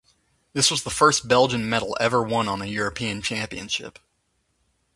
This was the first Belgian medal ever won on a European Championship.